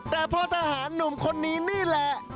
แต่พลทหารหนุ่มคนนี้นี่แหละ